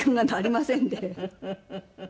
フフフフ。